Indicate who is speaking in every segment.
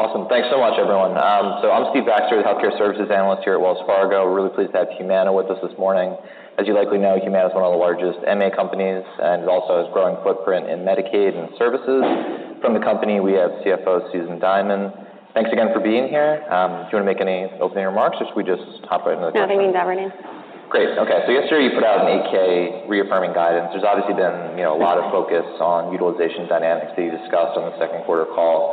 Speaker 1: Awesome. Thanks so much, everyone. So I'm Steve Baxter, the Healthcare Services Analyst here at Wells Fargo. Really pleased to have Humana with us this morning. As you likely know, Humana is one of the largest MA companies, and it also has a growing footprint in Medicaid and services. From the company, we have CFO, Susan Diamond. Thanks again for being here. Do you want to make any opening remarks, or should we just hop right into the-
Speaker 2: No, that means everything.
Speaker 1: Great. Okay, so yesterday, you put out an 8-K reaffirming guidance. There's obviously been, you know, a lot of focus on utilization dynamics that you discussed on the second quarter call.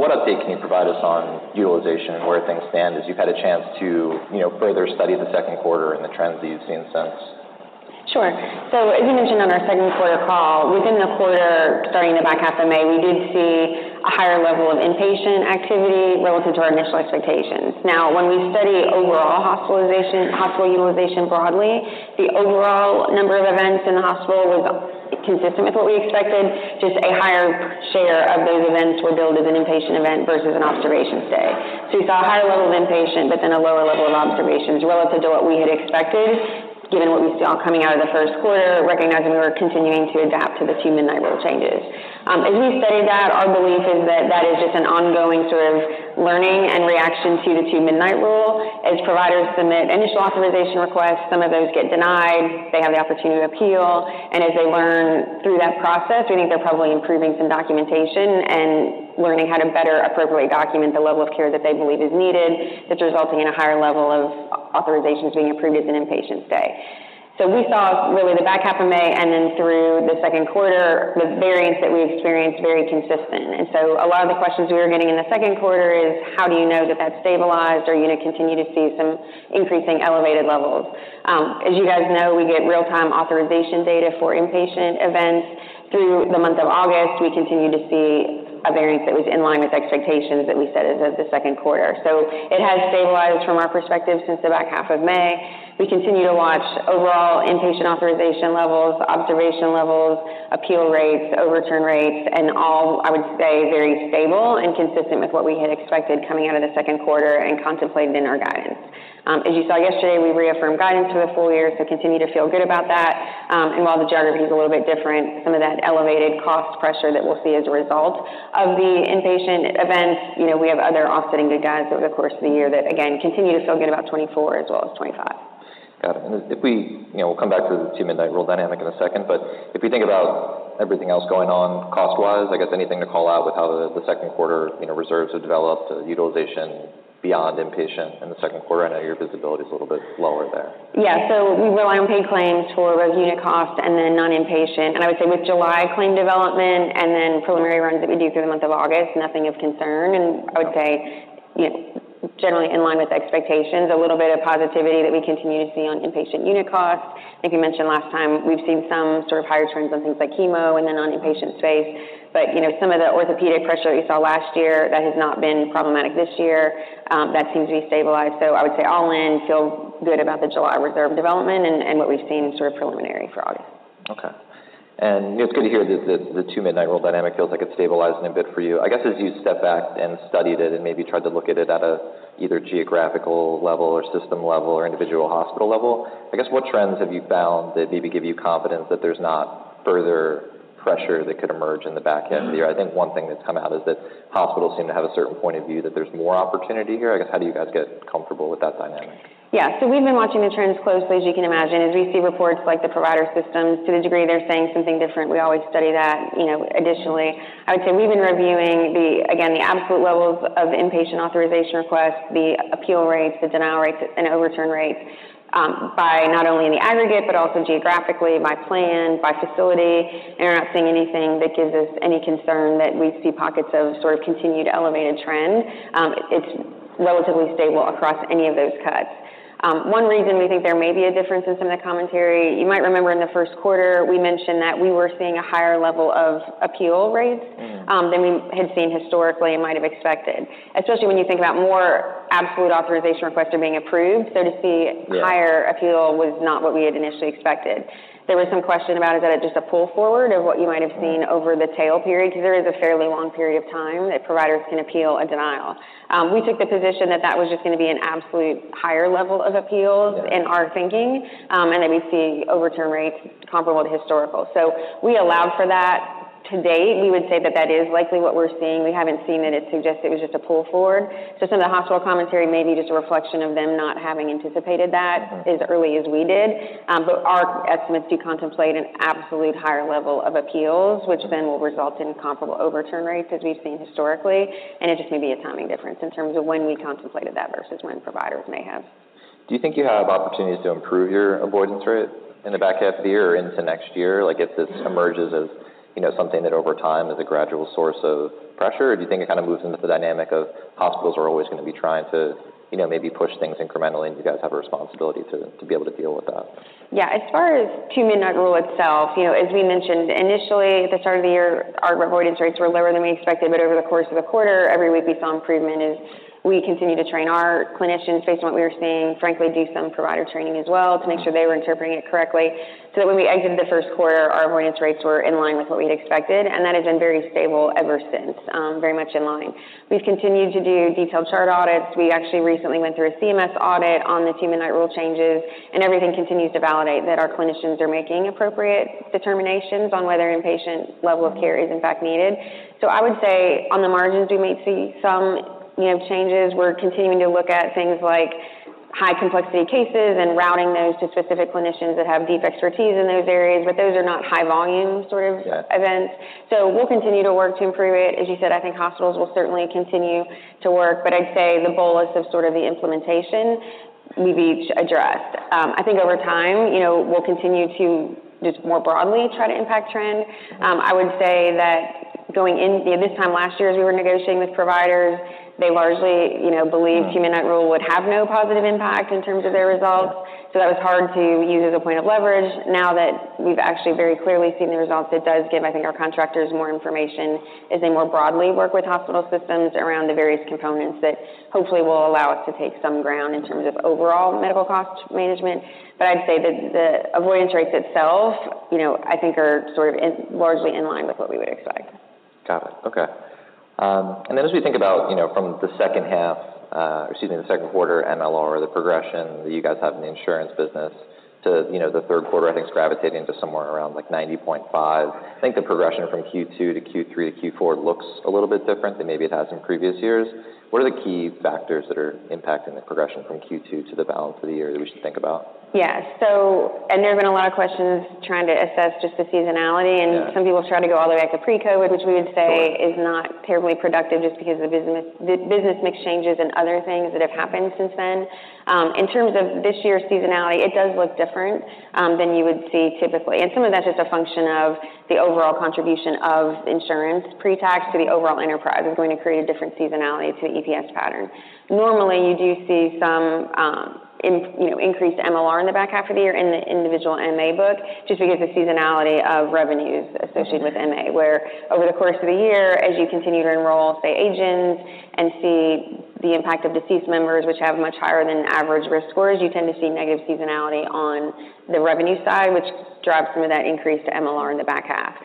Speaker 1: What update can you provide us on utilization and where things stand, as you've had a chance to, you know, further study the second quarter and the trends that you've seen since?
Speaker 2: Sure. So as you mentioned on our second quarter call, within the quarter, starting in the back half of May, we did see a higher level of inpatient activity relative to our initial expectations. Now, when we study overall hospitalization, hospital utilization broadly, the overall number of events in the hospital was consistent with what we expected, just a higher share of those events were billed as an inpatient event versus an observation stay. So we saw a higher level of inpatient, but then a lower level of observations relative to what we had expected, given what we saw coming out of the first quarter, recognizing we were continuing to adapt to the Two-Midnight Rule changes. As we studied that, our belief is that that is just an ongoing sort of learning and reaction to the Two-Midnight Rule. As providers submit initial authorization requests, some of those get denied. They have the opportunity to appeal, and as they learn through that process, we think they're probably improving some documentation and learning how to better appropriately document the level of care that they believe is needed, that's resulting in a higher level of authorizations being approved as an inpatient stay. So we saw really the back half of May, and then through the second quarter, the variance that we experienced, very consistent. And so a lot of the questions we were getting in the second quarter is, how do you know that that's stabilized? Are you going to continue to see some increasing elevated levels? As you guys know, we get real-time authorization data for inpatient events. Through the month of August, we continued to see a variance that was in line with expectations that we set at the second quarter, so it has stabilized from our perspective since the back half of May. We continue to watch overall inpatient authorization levels, observation levels, appeal rates, overturn rates, and all, I would say, very stable and consistent with what we had expected coming out of the second quarter and contemplated in our guidance. As you saw yesterday, we reaffirmed guidance for the full year, so continue to feel good about that, and while the geography is a little bit different, some of that elevated cost pressure that we'll see as a result of the inpatient events, you know, we have other offsetting good guys over the course of the year that, again, continue to feel good about 2024 as well as 2025.
Speaker 1: Got it. And if we, you know, we'll come back to the Two-Midnight Rule dynamic in a second. But if we think about everything else going on cost-wise, I guess anything to call out with how the second quarter, you know, reserves have developed, utilization beyond inpatient in the second quarter? I know your visibility is a little bit lower there.
Speaker 2: Yeah. So we rely on paid claims for both unit cost and then non-inpatient. And I would say with July claim development and then preliminary runs that we do through the month of August, nothing of concern, and I would say, you know, generally in line with expectations, a little bit of positivity that we continue to see on inpatient unit costs. I think you mentioned last time, we've seen some sort of higher trends on things like chemo in the non-inpatient space. But, you know, some of the orthopedic pressure that you saw last year, that has not been problematic this year, that seems to be stabilized. So I would say all in, feel good about the July reserve development and what we've seen sort of preliminary for August.
Speaker 1: Okay. It's good to hear that the Two-Midnight Rule dynamic feels like it's stabilizing a bit for you. I guess, as you step back and studied it and maybe tried to look at it at either geographical level or system level or individual hospital level, I guess, what trends have you found that maybe give you confidence that there's not further pressure that could emerge in the back end of the year? I think one thing that's come out is that hospitals seem to have a certain point of view that there's more opportunity here. I guess, how do you guys get comfortable with that dynamic?
Speaker 2: Yeah. So we've been watching the trends closely, as you can imagine. As we see reports like the provider systems, to the degree they're saying something different, we always study that, you know, additionally. I would say we've been reviewing the, again, the absolute levels of inpatient authorization requests, the appeal rates, the denial rates, and overturn rates by not only in the aggregate, but also geographically, by plan, by facility, and we're not seeing anything that gives us any concern that we see pockets of sort of continued elevated trend. It's relatively stable across any of those cuts. One reason we think there may be a difference is in the commentary. You might remember in the first quarter, we mentioned that we were seeing a higher level of appeal rates-
Speaker 1: Mm-hmm.
Speaker 2: than we had seen historically and might have expected, especially when you think about more absolute authorization requests are being approved. So to see-
Speaker 1: Yeah.
Speaker 2: higher appeal was not what we had initially expected. There was some question about, is that just a pull forward of what you might have seen over the tail period? Because there is a fairly long period of time that providers can appeal a denial. We took the position that that was just going to be an absolute higher level of appeals in our thinking, and that we see overturn rates comparable to historical. So we allowed for that. To date, we would say that that is likely what we're seeing. We haven't seen that it suggests it was just a pull forward. So some of the hospital commentary may be just a reflection of them not having anticipated that.
Speaker 1: Okay.
Speaker 2: -as early as we did. But our estimates do contemplate an absolute higher level of appeals, which then will result in comparable overturn rates as we've seen historically, and it just may be a timing difference in terms of when we contemplated that versus when providers may have.
Speaker 1: Do you think you have opportunities to improve your avoidance rate in the back half of the year or into next year? Like, if this emerges as, you know, something that over time is a gradual source of pressure, or do you think it kind of moves into the dynamic of hospitals are always going to be trying to, you know, maybe push things incrementally, and you guys have a responsibility to be able to deal with that?
Speaker 2: Yeah. As far as Two-Midnight Rule itself, you know, as we mentioned, initially, at the start of the year, our avoidance rates were lower than we expected, but over the course of the quarter, every week, we saw improvement as we continued to train our clinicians based on what we were seeing, frankly, do some provider training as well, to make sure they were interpreting it correctly. So that when we exited the first quarter, our avoidance rates were in line with what we'd expected, and that has been very stable ever since, very much in line. We've continued to do detailed chart audits. We actually recently went through a CMS audit on the Two-Midnight rule changes, and everything continues to validate that our clinicians are making appropriate determinations on whether inpatient level of care is in fact needed. So I would say on the margins, we may see some, you know, changes. We're continuing to look at things like high complexity cases and routing those to specific clinicians that have deep expertise in those areas, but those are not high volume sort of events.
Speaker 1: Yeah.
Speaker 2: So we'll continue to work to improve it. As you said, I think hospitals will certainly continue to work, but I'd say the bolus of sort of the implementation we've each addressed. I think over time, you know, we'll continue to just more broadly try to impact trend. I would say that going in, this time last year, as we were negotiating with providers, they largely, you know, believed Two-Midnight Rule would have no positive impact in terms of their results.
Speaker 1: Yeah.
Speaker 2: So that was hard to use as a point of leverage. Now that we've actually very clearly seen the results, it does give, I think, our contractors more information as they more broadly work with hospital systems around the various components that hopefully will allow us to take some ground in terms of overall medical cost management. But I'd say that the avoidance rates itself, you know, I think are sort of largely in line with what we would expect.
Speaker 1: Got it. Okay. And then as we think about, you know, from the second half, excuse me, the second quarter MLR, the progression that you guys have in the insurance business to, you know, the third quarter, I think, is gravitating to somewhere around, like, 90.5%. I think the progression from Q2-Q3-Q4 looks a little bit different than maybe it has in previous years. What are the key factors that are impacting the progression from Q2 to the balance of the year that we should think about?
Speaker 2: Yeah. So, and there have been a lot of questions trying to assess just the seasonality-
Speaker 1: Yeah.
Speaker 2: and some people try to go all the way back to pre-COVID, which we would say is not terribly productive just because the business, the business mix changes and other things that have happened since then. In terms of this year's seasonality, it does look different than you would see typically. And some of that's just a function of the overall contribution of insurance pre-tax to the overall enterprise is going to create a different seasonality to the EPS pattern. Normally, you do see some, you know, increased MLR in the back half of the year in the individual MA book, just because the seasonality of revenues associated with MA, where over the course of the year, as you continue to enroll, say, agents, and see the impact of deceased members, which have much higher than average risk scores, you tend to see negative seasonality on the revenue side, which drives some of that increase to MLR in the back half.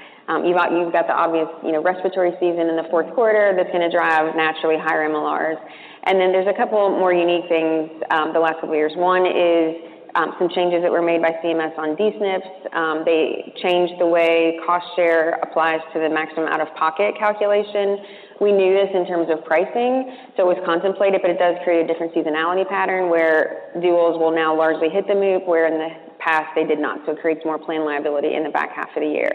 Speaker 2: You've got the obvious, you know, respiratory season in the fourth quarter that's gonna drive naturally higher MLRs. And then there's a couple more unique things, the last couple of years. One is, some changes that were made by CMS on D-SNPs. They changed the way cost share applies to the maximum out-of-pocket calculation. We knew this in terms of pricing, so it was contemplated, but it does create a different seasonality pattern, where duals will now largely hit the MOOP, where in the past they did not. So it creates more plan liability in the back half of the year.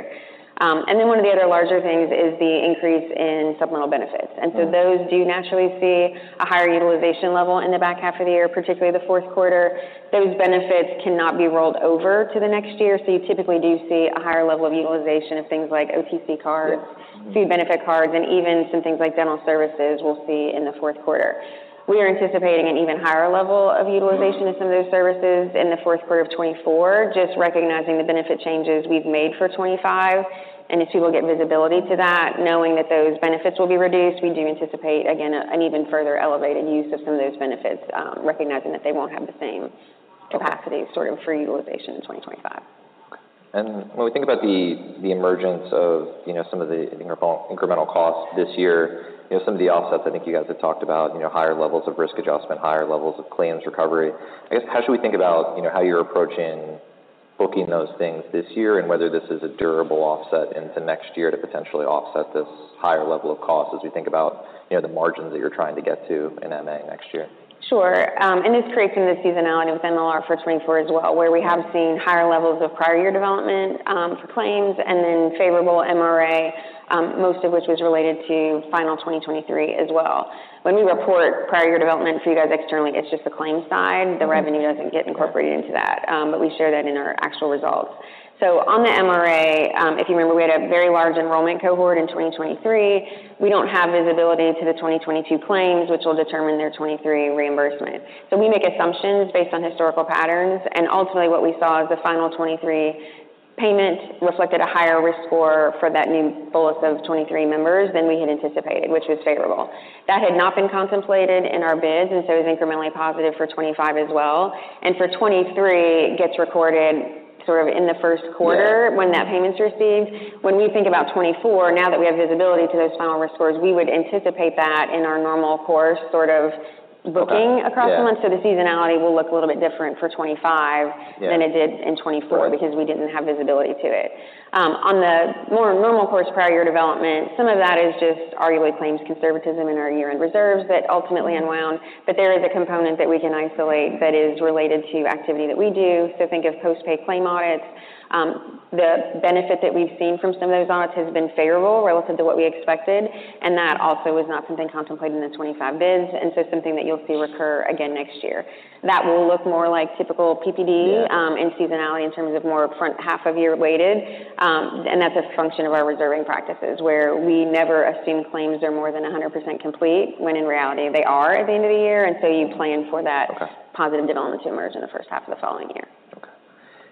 Speaker 2: And then one of the other larger things is the increase in supplemental benefits.
Speaker 1: Mm-hmm.
Speaker 2: And so those do naturally see a higher utilization level in the back half of the year, particularly the fourth quarter. Those benefits cannot be rolled over to the next year, so you typically do see a higher level of utilization of things like OTC cards-
Speaker 1: Yeah.
Speaker 2: food benefit cards, and even some things like dental services we'll see in the fourth quarter. We are anticipating an even higher level of utilization of some of those services in the fourth quarter of 2024, just recognizing the benefit changes we've made for 2025. And as people get visibility to that, knowing that those benefits will be reduced, we do anticipate, again, an even further elevated use of some of those benefits, recognizing that they won't have the same capacity sort of free utilization in 2025.
Speaker 1: Okay. And when we think about the emergence of, you know, some of the incremental costs this year, you know, some of the offsets, I think you guys have talked about, you know, higher levels of risk adjustment, higher levels of claims recovery. I guess, how should we think about, you know, how you're approaching booking those things this year, and whether this is a durable offset into next year to potentially offset this higher level of cost as we think about, you know, the margins that you're trying to get to in MA next year?
Speaker 2: Sure, and it's creating the seasonality with MLR for 2024 as well, where we have seen higher levels of prior year development, for claims, and then favorable MRA, most of which was related to final 2023 as well. When we report prior year development for you guys externally, it's just the claims side.
Speaker 1: Mm-hmm.
Speaker 2: The revenue doesn't get incorporated into that, but we share that in our actual results, so on the MRA, if you remember, we had a very large enrollment cohort in 2023. We don't have visibility to the 2022 claims, which will determine their 2023 reimbursement, so we make assumptions based on historical patterns, and ultimately, what we saw is the final 2023 payment reflected a higher risk score for that new bolus of 23 members than we had anticipated, which was favorable. That had not been contemplated in our bids, and so it was incrementally positive for 2025 as well, and for 2023, it gets recorded sort of in the first quarter-
Speaker 1: Yeah
Speaker 2: When that payment's received. When we think about 2024, now that we have visibility to those final risk scores, we would anticipate that in our normal course, sort of booking across the month.
Speaker 1: Yeah.
Speaker 2: So the seasonality will look a little bit different for 2025.
Speaker 1: Yeah
Speaker 2: - than it did in 2024, because we didn't have visibility to it. On the more normal course, prior year development, some of that is just arguably claims conservatism in our year-end reserves that ultimately unwound. But there is a component that we can isolate that is related to activity that we do. So think of post-paid claim audits. The benefit that we've seen from some of those audits has been favorable relative to what we expected, and that also was not something contemplated in the 2025 bids, and so something that you'll see recur again next year. That will look more like typical PPD-
Speaker 1: Yeah...
Speaker 2: and seasonality in terms of more front half of year weighted. And that's a function of our reserving practices, where we never assume claims are more than 100% complete, when in reality they are at the end of the year, and so you plan for that-
Speaker 1: Okay
Speaker 2: - positive development to emerge in the first half of the following year.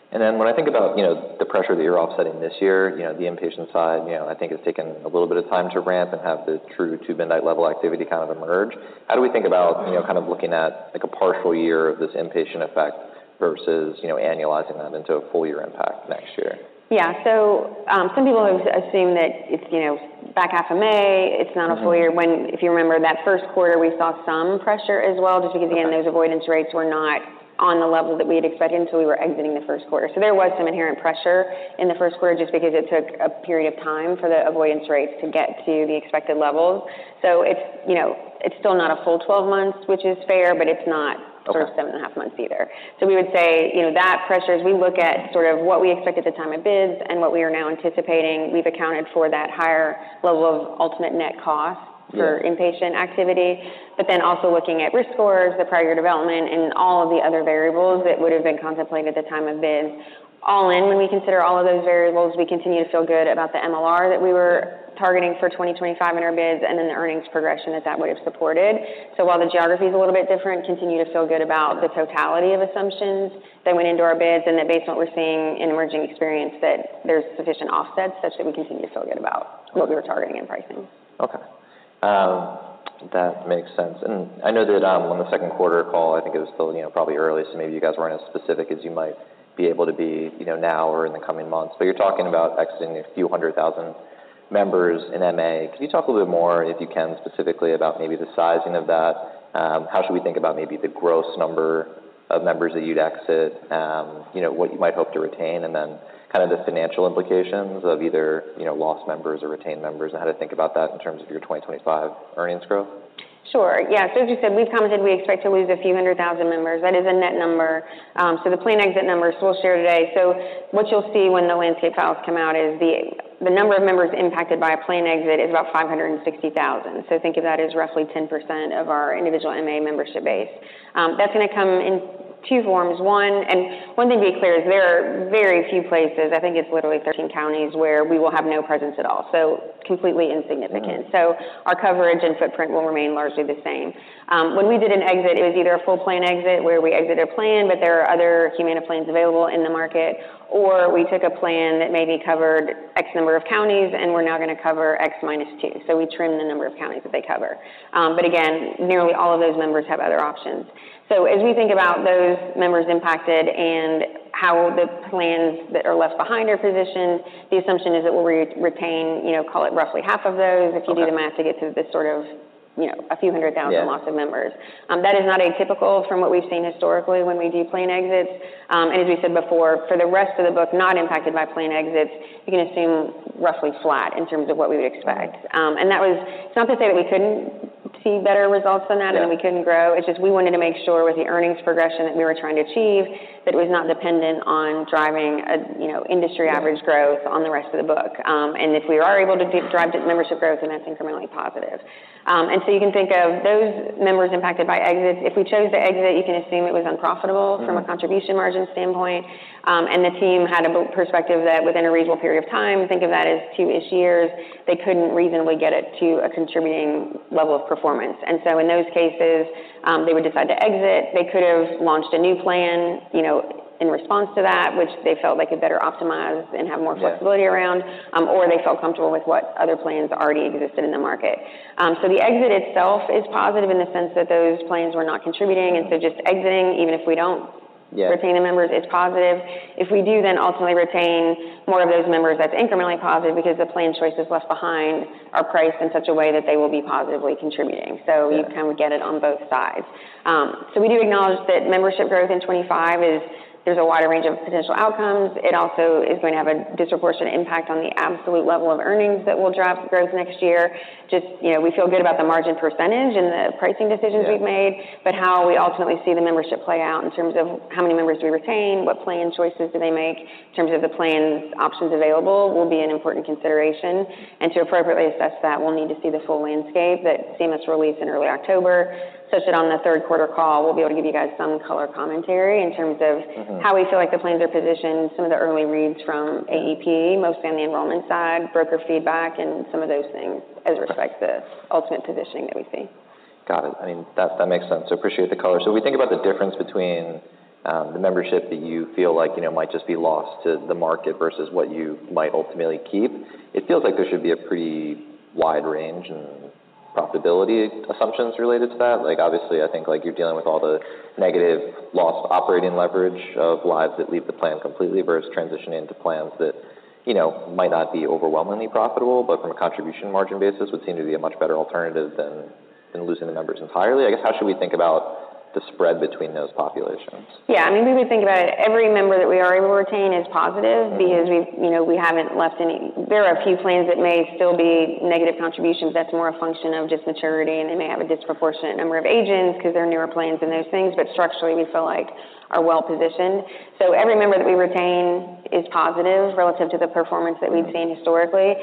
Speaker 1: Okay. And then when I think about, you know, the pressure that you're offsetting this year, you know, the inpatient side, you know, I think has taken a little bit of time to ramp and have the true Two-Midnight level activity kind of emerge. How do we think about, you know, kind of looking at, like, a partial year of this inpatient effect versus, you know, annualizing that into a full year impact next year?
Speaker 2: Yeah. So, some people have assumed that it's, you know, back half of MA, it's not a full year-
Speaker 1: Mm-hmm...
Speaker 2: when, if you remember, that first quarter, we saw some pressure as well, just because, again-
Speaker 1: Okay
Speaker 2: Those avoidance rates were not on the level that we had expected until we were exiting the first quarter. So there was some inherent pressure in the first quarter just because it took a period of time for the avoidance rates to get to the expected levels. So it's, you know, it's still not a full twelve months, which is fair, but it's not-
Speaker 1: Okay.
Speaker 2: for seven and a half months either. So we would say, you know, that pressure, as we look at sort of what we expect at the time of bids and what we are now anticipating, we've accounted for that higher level of ultimate net cost-
Speaker 1: Yeah
Speaker 2: for inpatient activity. But then also looking at risk scores, the prior year development, and all of the other variables that would have been contemplated at the time of bid. All in, when we consider all of those variables, we continue to feel good about the MLR that we were targeting for 2025 in our bids, and then the earnings progression that that would have supported. So while the geography is a little bit different, continue to feel good about the totality of assumptions that went into our bids, and that based on what we're seeing in emerging experience, that there's sufficient offsets such that we continue to feel good about what we were targeting and pricing.
Speaker 1: Okay, that makes sense. And I know that, on the second quarter call, I think it was still, you know, probably early, so maybe you guys weren't as specific as you might be able to be, you know, now or in the coming months. But you're talking about exiting a few hundred thousand members in MA. Can you talk a little bit more, if you can, specifically about maybe the sizing of that? How should we think about maybe the gross number of members that you'd exit, you know, what you might hope to retain, and then kind of the financial implications of either, you know, lost members or retained members, and how to think about that in terms of your 2025 earnings growth?
Speaker 2: Sure. Yeah, so as you said, we've commented we expect to lose a few hundred thousand members. That is a net number. So the plan exit numbers we'll share today. So what you'll see when the landscape files come out is the number of members impacted by a plan exit is about 560,000. So think of that as roughly 10% of our individual MA membership base. That's gonna come in two forms. And one thing to be clear is there are very few places, I think it's literally 13 counties, where we will have no presence at all, so completely insignificant.
Speaker 1: Mm-hmm.
Speaker 2: So our coverage and footprint will remain largely the same. When we did an exit, it was either a full plan exit, where we exited a plan, but there are other Humana plans available in the market, or we took a plan that maybe covered X number of counties, and we're now gonna cover X minus two, so we trimmed the number of counties that they cover. But again, nearly all of those members have other options. So as we think about those members impacted and how the plans that are left behind are positioned, the assumption is that we'll retain, you know, call it roughly half of those.
Speaker 1: Okay.
Speaker 2: If you do the math to get to this sort of, you know, a few hundred thousand-
Speaker 1: Yeah
Speaker 2: - loss of members. That is not atypical from what we've seen historically when we do plan exits, and as we said before, for the rest of the book, not impacted by plan exits, you can assume roughly flat in terms of what we would expect, and that was not to say that we couldn't see better results than that-
Speaker 1: Yeah
Speaker 2: or that we couldn't grow. It's just we wanted to make sure with the earnings progression that we were trying to achieve, that it was not dependent on driving a, you know, industry average growth on the rest of the book. And if we are able to drive membership growth, then that's incrementally positive. And so you can think of those members impacted by exits. If we chose to exit, you can assume it was unprofitable-
Speaker 1: Mm.
Speaker 2: - from a contribution margin standpoint. And the team had a perspective that within a reasonable period of time, think of that as two-ish years, they couldn't reasonably get it to a contributing level of performance. And so in those cases, they would decide to exit. They could have launched a new plan, you know, in response to that, which they felt they could better optimize and have more-
Speaker 1: Yeah
Speaker 2: flexibility around, or they felt comfortable with what other plans already existed in the market. So the exit itself is positive in the sense that those plans were not contributing and so, just exiting, even if we don't-
Speaker 1: Yeah
Speaker 2: Retain the members is positive. If we do, then ultimately retain more of those members, that's incrementally positive because the plan choices left behind are priced in such a way that they will be positively contributing.
Speaker 1: Yeah.
Speaker 2: So we kind of get it on both sides. So we do acknowledge that membership growth in 2025 is. There's a wide range of potential outcomes. It also is going to have a disproportionate impact on the absolute level of earnings that will drive growth next year. Just, you know, we feel good about the margin percentage and the pricing decisions.
Speaker 1: Yeah
Speaker 2: We've made, but how we ultimately see the membership play out in terms of how many members we retain, what plan choices do they make in terms of the plans, options available, will be an important consideration. And to appropriately assess that, we'll need to see the full landscape that CMS released in early October, such that on the third quarter call, we'll be able to give you guys some color commentary in terms of-
Speaker 1: Mm-hmm
Speaker 2: How we feel like the plans are positioned, some of the early reads from AEP, mostly on the enrollment side, broker feedback, and some of those things as respects to ultimate positioning that we see.
Speaker 1: Got it. I mean, that makes sense. So appreciate the color. So we think about the difference between, the membership that you feel like, you know, might just be lost to the market versus what you might ultimately keep. It feels like there should be a pretty wide range in profitability assumptions related to that. Like, obviously, I think, like, you're dealing with all the negative loss operating leverage of lives that leave the plan completely versus transitioning to plans that, you know, might not be overwhelmingly profitable, but from a contribution margin basis, would seem to be a much better alternative than losing the members entirely. I guess, how should we think about the spread between those populations?
Speaker 2: Yeah, I mean, we would think about it, every member that we are able to retain is positive-
Speaker 1: Mm-hmm.
Speaker 2: because we, you know, we haven't left any... There are a few plans that may still be negative contributions. That's more a function of just maturity, and they may have a disproportionate number of agents because they're newer plans and those things, but structurally, we feel like we are well positioned. So every member that we retain is positive relative to the performance that we've seen historically.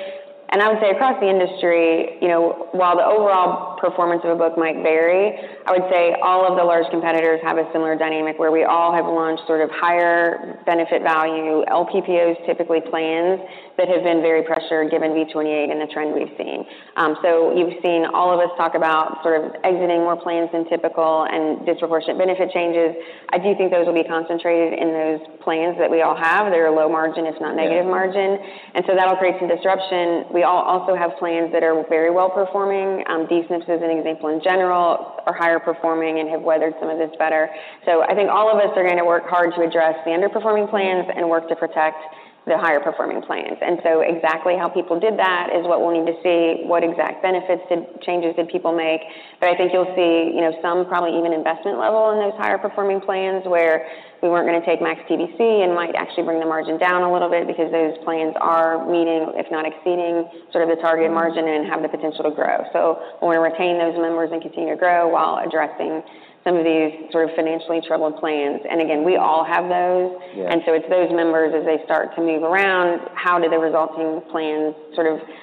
Speaker 2: And I would say across the industry, you know, while the overall performance of a book might vary, I would say all of the large competitors have a similar dynamic, where we all have launched sort of higher benefit value, LPPOs, typically plans, that have been very pressured given V28 and the trend we've seen. So you've seen all of us talk about sort of exiting more plans than typical and disproportionate benefit changes. I do think those will be concentrated in those plans that we all have that are low margin, if not negative margin, and so that'll create some disruption. We all also have plans that are very well performing. D-SNPs, as an example, in general, are higher performing and have weathered some of this better. So I think all of us are going to work hard to address the underperforming plans and work to protect the higher performing plans. And so exactly how people did that is what we'll need to see. What exact benefits changes did people make? But I think you'll see, you know, some probably even investment level in those higher performing plans, where we weren't going to take max TBC and might actually bring the margin down a little bit because those plans are meeting, if not exceeding, sort of the target margin and have the potential to grow. So we want to retain those members and continue to grow while addressing some of these sort of financially troubled plans. And again, we all have those.
Speaker 1: Yeah.
Speaker 2: And so it's those members, as they start to move around, how do the resulting plans sort of fit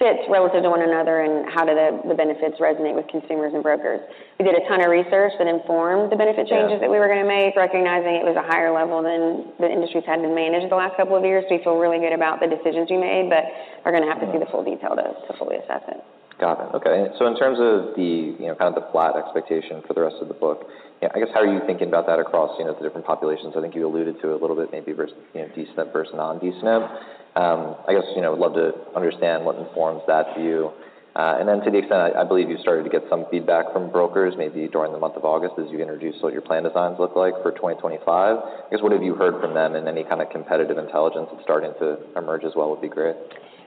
Speaker 2: relative to one another, and how do the benefits resonate with consumers and brokers? We did a ton of research that informed the benefit changes-
Speaker 1: Yeah
Speaker 2: That we were going to make, recognizing it was a higher level than the industry has had to manage the last couple of years. We feel really good about the decisions we made, but are going to have to see the full detail though, to fully assess it.
Speaker 1: Got it. Okay. So in terms of the, you know, kind of the flat expectation for the rest of the book, I guess, how are you thinking about that across, you know, the different populations? I think you alluded to it a little bit, maybe versus, you know, D-SNP versus non-D-SNP. I guess, you know, I'd love to understand what informs that view, and then to the extent, I believe you started to get some feedback from brokers, maybe during the month of August, as you introduced what your plan designs look like for 2025. I guess, what have you heard from them, and any kind of competitive intelligence that's starting to emerge as well, would be great.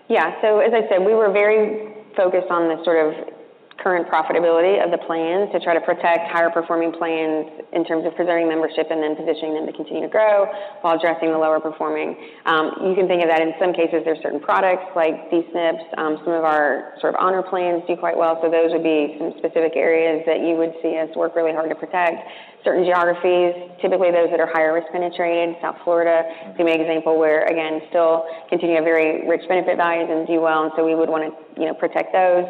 Speaker 2: Yeah. So as I said, we were very focused on the sort of current profitability of the plan to try to protect higher performing plans in terms of preserving membership and then positioning them to continue to grow while addressing the lower performing. You can think of that in some cases, there are certain products like D-SNPs. Some of our sort of HMO plans do quite well, so those would be some specific areas that you would see us work really hard to protect. Certain geographies, typically those that are higher risk-penetrated. South Florida, to give you an example, where, again, still continue to have very rich benefit values and do well, and so we would want to, you know, protect those.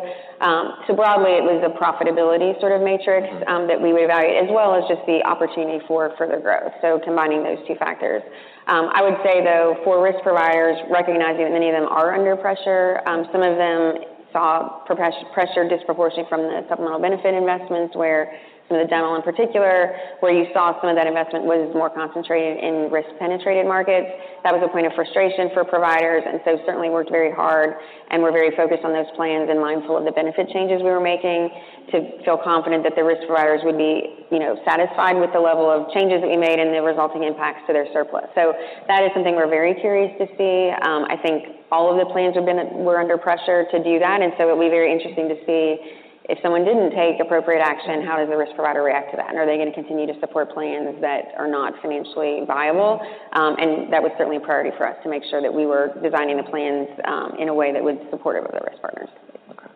Speaker 2: So broadly, it was a profitability sort of matrix, that we evaluate, as well as just the opportunity for further growth, so combining those two factors. I would say, though, for risk providers, recognizing that many of them are under pressure, some of them saw pressure disproportionately from the supplemental benefit investments, where some of the dental, in particular, where you saw some of that investment was more concentrated in risk-penetrated markets. That was a point of frustration for providers, and so certainly worked very hard and were very focused on those plans and mindful of the benefit changes we were making, to feel confident that the risk providers would be, you know, satisfied with the level of changes that we made and the resulting impacts to their surplus. So that is something we're very curious to see. I think all of the plans were under pressure to do that, and so it'll be very interesting to see if someone didn't take appropriate action, how does the risk provider react to that? And are they going to continue to support plans that are not financially viable? And that was certainly a priority for us, to make sure that we were designing the plans in a way that was supportive of the risk partners.
Speaker 1: Okay.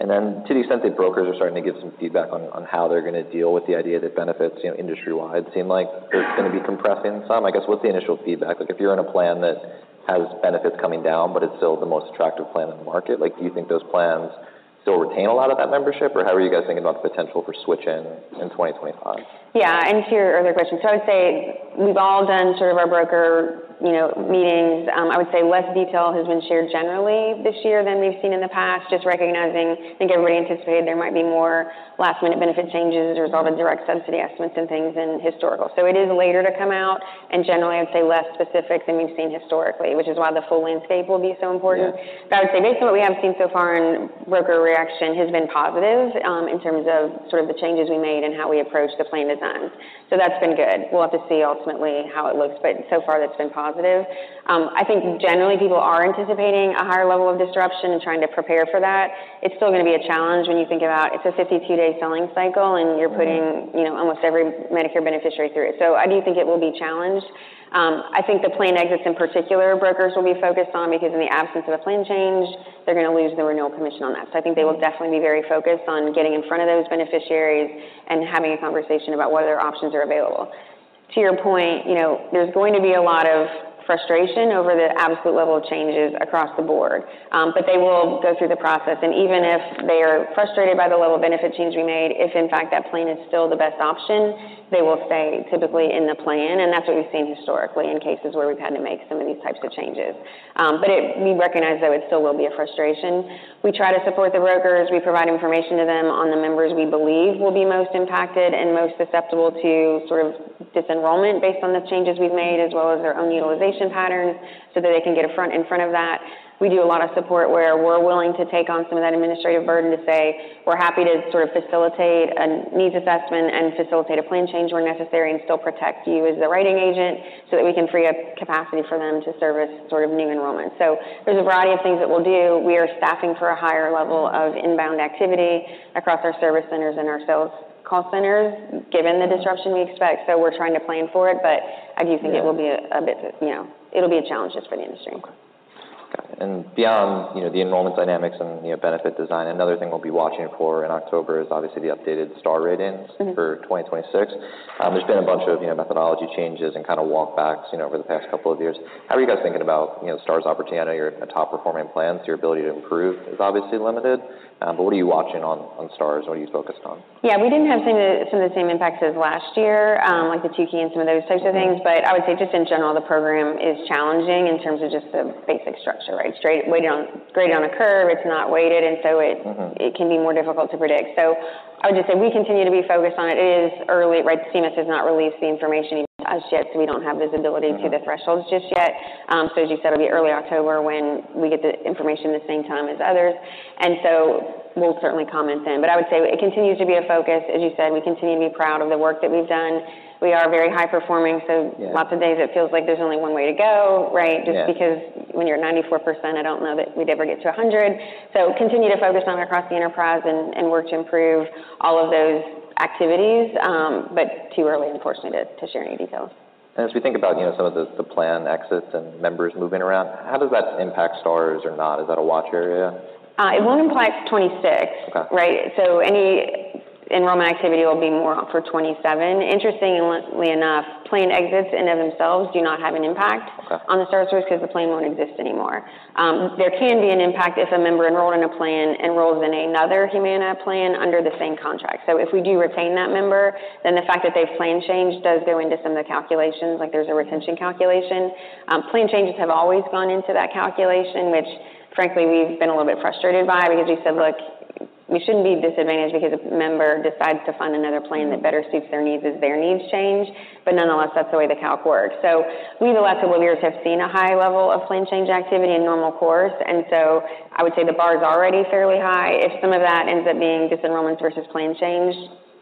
Speaker 1: And then to the extent that brokers are starting to give some feedback on how they're going to deal with the idea that benefits, you know, industry-wide, seem like it's going to be compressing some, I guess, what's the initial feedback? Like, if you're in a plan that has benefits coming down, but it's still the most attractive plan on the market, like, do you think those plans still retain a lot of that membership? Or how are you guys thinking about the potential for switching in 2025?
Speaker 2: Yeah, and to your earlier question, so I'd say we've all done sort of our broker, you know, meetings. I would say less detail has been shared generally this year than we've seen in the past, just recognizing, I think everybody anticipated there might be more last-minute benefit changes as a result of direct subsidy estimates and things than historical, so it is later to come out, and generally, I'd say, less specific than we've seen historically, which is why the full landscape will be so important.
Speaker 1: Yeah.
Speaker 2: But I would say, based on what we have seen so far in broker reaction, has been positive, in terms of sort of the changes we made and how we approached the plan designs. So that's been good. We'll have to see ultimately how it looks, but so far, that's been positive. I think generally, people are anticipating a higher level of disruption and trying to prepare for that. It's still going to be a challenge when you think about it's a 52-day selling cycle, and you're putting-
Speaker 1: Mm-hmm...
Speaker 2: you know, almost every Medicare beneficiary through it. So I do think it will be a challenge. I think the plan exits, in particular, brokers will be focused on, because in the absence of a plan change, they're going to lose the renewal commission on that. So I think they will definitely be very focused on getting in front of those beneficiaries and having a conversation about what other options are available. To your point, you know, there's going to be a lot of frustration over the absolute level of changes across the board, but they will go through the process, and even if they are frustrated by the level of benefit changes we made, if, in fact, that plan is still the best option, they will stay, typically, in the plan. And that's what we've seen historically in cases where we've had to make some of these types of changes. But we recognize, though, it still will be a frustration. We try to support the brokers. We provide information to them on the members we believe will be most impacted and most susceptible to sort of disenrollment based on the changes we've made, as well as their own utilization patterns, so that they can get out in front of that. We do a lot of support where we're willing to take on some of that administrative burden to say, "We're happy to sort of facilitate a needs assessment and facilitate a plan change where necessary, and still protect you as the writing agent, so that we can free up capacity for them to service sort of new enrollment." So there's a variety of things that we'll do. We are staffing for a higher level of inbound activity across our service centers and our sales call centers, given the disruption we expect, so we're trying to plan for it. But I do think-
Speaker 1: Yeah
Speaker 2: It will be a bit, you know, it'll be a challenge just for the industry.
Speaker 1: Okay, and beyond, you know, the enrollment dynamics and, you know, benefit design, another thing we'll be watching for in October is obviously the updated Star Ratings.
Speaker 2: Mm-hmm
Speaker 1: -for 2026. There's been a bunch of, you know, methodology changes and kind of walk backs, you know, over the past couple of years. How are you guys thinking about, you know, Stars opportunity? I know you're a top-performing plan, so your ability to improve is obviously limited, but what are you watching on Stars? What are you focused on?
Speaker 2: Yeah, we didn't have some of the, some of the same impacts as last year, like the Two-Midnight and some of those types of things.
Speaker 1: Mm-hmm.
Speaker 2: But I would say just in general, the program is challenging in terms of just the basic structure, right? Straight weighted on... grade on a curve, it's not weighted, and so it-
Speaker 1: Mm-hmm
Speaker 2: It can be more difficult to predict. So I would just say we continue to be focused on it. It is early, right? CMS has not released the information yet... as yet, so we don't have visibility to the thresholds just yet. So as you said, it'll be early October when we get the information the same time as others, and so we'll certainly comment then. But I would say it continues to be a focus. As you said, we continue to be proud of the work that we've done. We are very high performing, so-
Speaker 1: Yeah.
Speaker 2: Lots of days, it feels like there's only one way to go, right?
Speaker 1: Yeah.
Speaker 2: Just because when you're at 94%, I don't know that we'd ever get to 100%. So continue to focus on across the enterprise and work to improve all of those activities, but too early, unfortunately, to share any details.
Speaker 1: As we think about, you know, some of the plan exits and members moving around, how does that impact Stars or not? Is that a watch area?
Speaker 2: It won't impact 2026.
Speaker 1: Okay.
Speaker 2: Right? So any enrollment activity will be more for 2027. Interestingly enough, plan exits in and of themselves do not have an impact-
Speaker 1: Okay.
Speaker 2: -on the Star scores because the plan won't exist anymore. There can be an impact if a member enrolled in a plan enrolls in another Humana plan under the same contract. So if we do retain that member, then the fact that they've plan changed does go into some of the calculations, like there's a retention calculation. Plan changes have always gone into that calculation, which frankly, we've been a little bit frustrated by because we said, "Look, we shouldn't be disadvantaged because a member decides to find another plan that better suits their needs as their needs change." But nonetheless, that's the way the calc works. So we, the last couple of years, have seen a high level of plan change activity in normal course, and so I would say the bar is already fairly high. If some of that ends up being disenrollments versus plan change,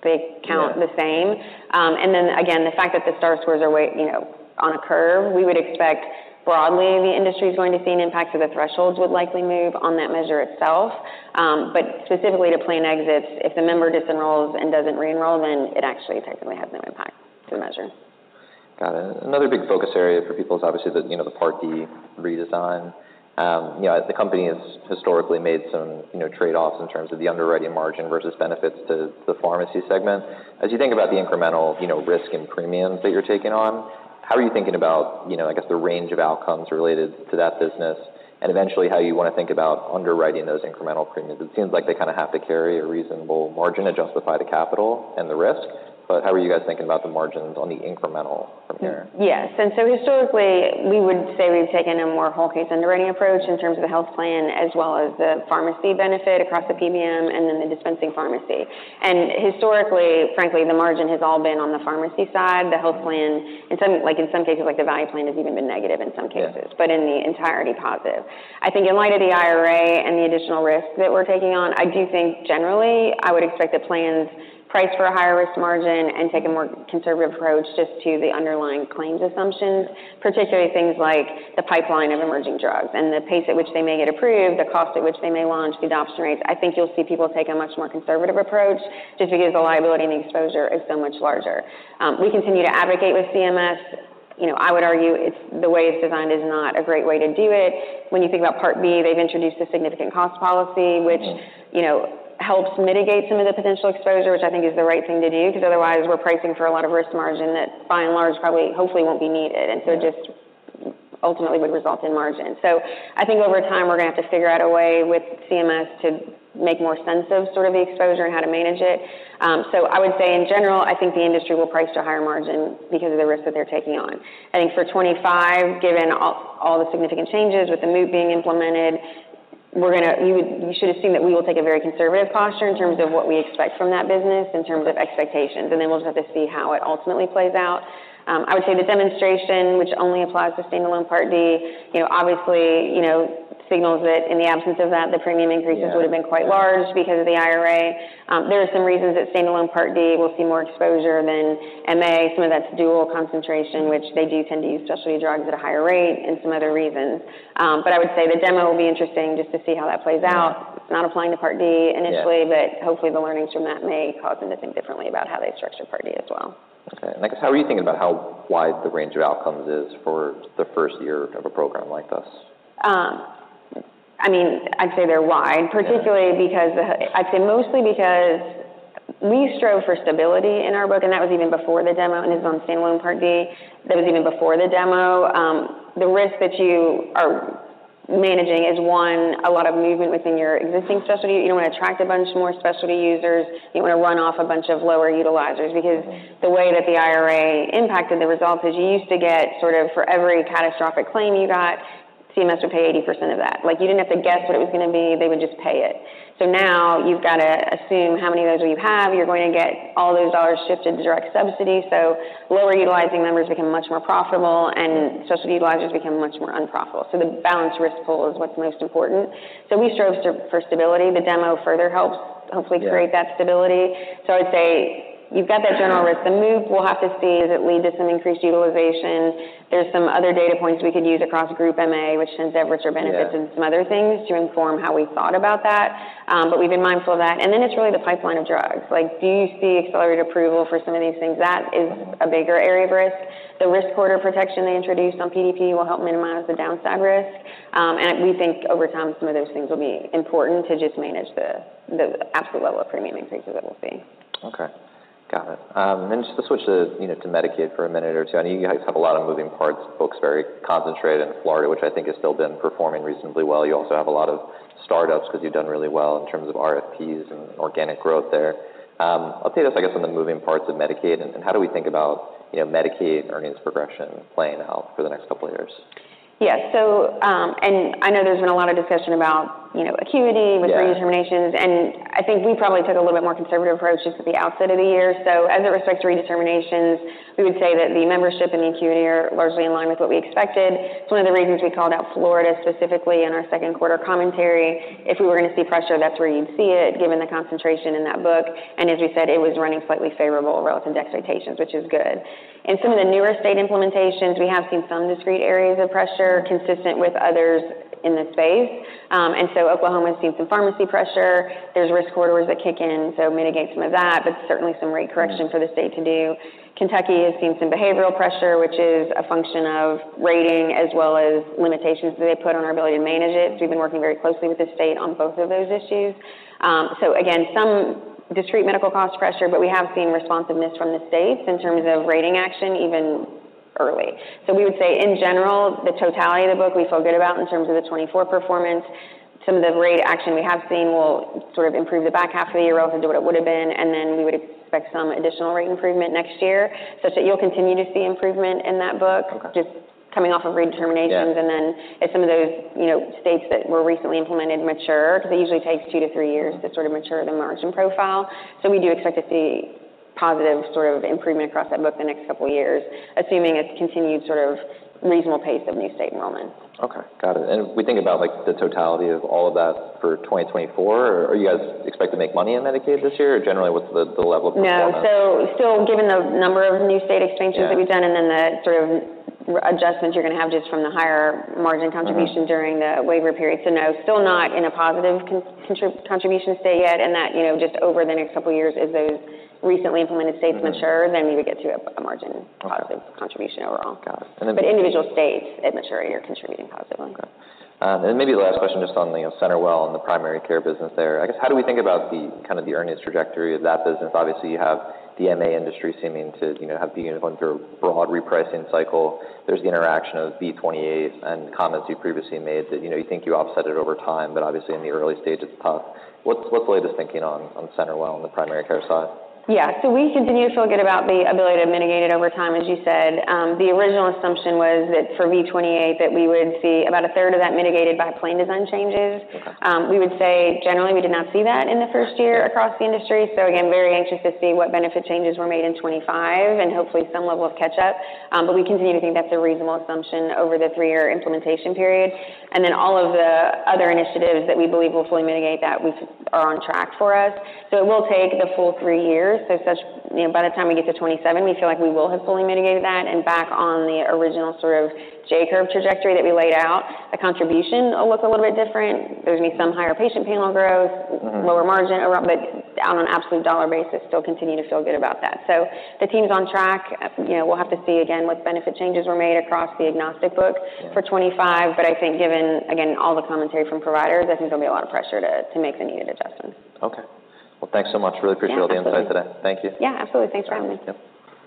Speaker 2: they count the same.
Speaker 1: Yeah.
Speaker 2: And then again, the fact that the Star scores are way, you know, on a curve, we would expect broadly, the industry is going to see an impact, so the thresholds would likely move on that measure itself. But specifically to plan exits, if the member disenrolls and doesn't re-enroll, then it actually technically has no impact to the measure.
Speaker 1: Got it. Another big focus area for people is obviously the, you know, the Part D redesign. You know, the company has historically made some, you know, trade-offs in terms of the underwriting margin versus benefits to the pharmacy segment. As you think about the incremental, you know, risk and premiums that you're taking on, how are you thinking about, you know, I guess, the range of outcomes related to that business, and eventually, how you want to think about underwriting those incremental premiums? It seems like they kind of have to carry a reasonable margin to justify the capital and the risk, but how are you guys thinking about the margins on the incremental from here?
Speaker 2: Yes, and so historically, we would say we've taken a more whole case underwriting approach in terms of the health plan, as well as the pharmacy benefit across the PBM and then the dispensing pharmacy. And historically, frankly, the margin has all been on the pharmacy side, the health plan. In some cases, like, the value plan has even been negative in some cases-
Speaker 1: Yeah.
Speaker 2: but in the entirety, positive. I think in light of the IRA and the additional risk that we're taking on, I do think generally, I would expect the plans priced for a higher risk margin and take a more conservative approach just to the underlying claims assumptions, particularly things like the pipeline of emerging drugs and the pace at which they may get approved, the cost at which they may launch, the adoption rates. I think you'll see people take a much more conservative approach just because the liability and the exposure is so much larger. We continue to advocate with CMS. You know, I would argue it's, the way it's designed is not a great way to do it. When you think about Part B, they've introduced a significant cost policy, which-
Speaker 1: Mm-hmm.
Speaker 2: You know, helps mitigate some of the potential exposure, which I think is the right thing to do, because otherwise, we're pricing for a lot of risk margin that, by and large, probably, hopefully, won't be needed.
Speaker 1: Yeah.
Speaker 2: And so just ultimately would result in margin. So I think over time, we're gonna have to figure out a way with CMS to make more sense of sort of the exposure and how to manage it. So I would say in general, I think the industry will price to a higher margin because of the risk that they're taking on. I think for 2025, given all the significant changes with the MOOP being implemented, we're gonna. You should assume that we will take a very conservative posture in terms of what we expect from that business, in terms of expectations, and then we'll just have to see how it ultimately plays out. I would say the demonstration, which only applies to standalone Part D, you know, obviously, you know, signals that in the absence of that, the premium increases-
Speaker 1: Yeah.
Speaker 2: Would have been quite large because of the IRA. There are some reasons that standalone Part D will see more exposure than MA, some of that's dual concentration, which they do tend to use specialty drugs at a higher rate and some other reasons. But I would say the demo will be interesting just to see how that plays out.
Speaker 1: Yeah.
Speaker 2: It's not applying to Part D initially-
Speaker 1: Yeah.
Speaker 2: But hopefully, the learnings from that may cause them to think differently about how they structure Part D as well.
Speaker 1: Okay. And I guess, how are you thinking about how wide the range of outcomes is for the first year of a program like this?
Speaker 2: I mean, I'd say they're wide.
Speaker 1: Yeah.
Speaker 2: Particularly because, I'd say mostly because we strove for stability in our book, and that was even before the demo, and is on standalone Part D. That was even before the demo. The risk that you are managing is, one, a lot of movement within your existing specialty. You don't want to attract a bunch more specialty users. You want to run off a bunch of lower utilizers, because the way that the IRA impacted the results is you used to get sort of for every catastrophic claim you got, CMS would pay 80% of that. Like, you didn't have to guess what it was gonna be, they would just pay it. So now you've got to assume how many of those will you have. You're going to get all those dollars shifted to direct subsidy, so lower utilizing members become much more profitable, and specialty utilizers become much more unprofitable. So the balance risk pool is what's most important. So we strove for stability. The demo further helps, hopefully-
Speaker 1: Yeah
Speaker 2: Create that stability. So I'd say you've got that general risk. The MOOP, we'll have to see, does it lead to some increased utilization? There's some other data points we could use across group MA, which tends to average our benefits.
Speaker 1: Yeah
Speaker 2: and some other things to inform how we thought about that. But we've been mindful of that. And then it's really the pipeline of drugs. Like, do you see accelerated approval for some of these things? That is a bigger area of risk. The risk corridor protection they introduced on PDP will help minimize the downside risk. And we think over time, some of those things will be important to just manage the actual level of premium increases that we'll see.
Speaker 1: Okay, got it, and just to switch to, you know, to Medicaid for a minute or two. I know you guys have a lot of moving parts, folks, very concentrated in Florida, which I think has still been performing reasonably well. You also have a lot of startups because you've done really well in terms of RFPs and organic growth there. Update us, I guess, on the moving parts of Medicaid, and how do we think about, you know, Medicaid earnings progression playing out for the next couple of years?...
Speaker 2: Yes. So, and I know there's been a lot of discussion about, you know, acuity-
Speaker 1: Yeah.
Speaker 2: With redeterminations, and I think we probably took a little bit more conservative approach just at the outset of the year. So as it relates to redeterminations, we would say that the membership and the acuity are largely in line with what we expected. It's one of the reasons we called out Florida, specifically in our second quarter commentary. If we were gonna see pressure, that's where you'd see it, given the concentration in that book, and as you said, it was running slightly favorable relative to expectations, which is good. In some of the newer state implementations, we have seen some discrete areas of pressure consistent with others in the space. And so Oklahoma has seen some pharmacy pressure. There's risk corridors that kick in, so mitigate some of that, but certainly some rate correction for the state to do. Kentucky has seen some behavioral pressure, which is a function of rating as well as limitations that they put on our ability to manage it. So we've been working very closely with the state on both of those issues. So again, some discrete medical cost pressure, but we have seen responsiveness from the states in terms of rating action, even early. So we would say, in general, the totality of the book, we feel good about in terms of the 2024 performance. Some of the rate action we have seen will sort of improve the back half of the year relative to what it would have been, and then we would expect some additional rate improvement next year, such that you'll continue to see improvement in that book.
Speaker 1: Okay.
Speaker 2: Just coming off of redeterminations.
Speaker 1: Yeah.
Speaker 2: And then as some of those, you know, states that were recently implemented mature, because it usually takes two to three years to sort of mature the margin profile. So we do expect to see positive sort of improvement across that book the next couple of years, assuming it's continued sort of reasonable pace of new state enrollments.
Speaker 1: Okay, got it. And we think about, like, the totality of all of that for 2024, or you guys expect to make money in Medicaid this year, or generally, what's the level of performance?
Speaker 2: No. So still, given the number of new state expansions that we've done, and then the sort of adjustments you're gonna have just from the higher margin contribution during the waiver period. So no, still not in a positive contribution state yet, and that, you know, just over the next couple of years, as those recently implemented states mature, then we would get to a margin positive contribution overall.
Speaker 1: Got it.
Speaker 2: But individual states, they mature and you're contributing positively.
Speaker 1: And maybe the last question, just on the CenterWell and the primary care business there. I guess, how do we think about the kind of the earnings trajectory of that business? Obviously, you have the MA industry seeming to, you know, have been going through a broad repricing cycle. There's the interaction of V28 and comments you previously made that, you know, you think you offset it over time, but obviously in the early stages, it's tough. What's the latest thinking on CenterWell on the primary care side?
Speaker 2: Yeah. So we continue to feel good about the ability to mitigate it over time. As you said, the original assumption was that for V28, that we would see about a third of that mitigated by plan design changes.
Speaker 1: Okay.
Speaker 2: We would say, generally, we did not see that in the first year across the industry. So again, very anxious to see what benefit changes were made in 2025 and hopefully some level of catch up. But we continue to think that's a reasonable assumption over the three-year implementation period. And then all of the other initiatives that we believe will fully mitigate that we are on track for us. So it will take the full three years. You know, by the time we get to 2027, we feel like we will have fully mitigated that. And back on the original sort of J-curve trajectory that we laid out, the contribution will look a little bit different. There's gonna be some higher patient panel growth.
Speaker 1: Mm-hmm.
Speaker 2: Lower margin, but on an absolute dollar basis, still continue to feel good about that. So the team's on track. You know, we'll have to see again what benefit changes were made across the agnostic book for 2025, but I think given, again, all the commentary from providers, I think there'll be a lot of pressure to make the needed adjustments.
Speaker 1: Okay. Well, thanks so much.
Speaker 2: Yeah, absolutely.
Speaker 1: Really appreciate all the insight today. Thank you.
Speaker 2: Yeah, absolutely. Thanks for having me.
Speaker 1: Thank you.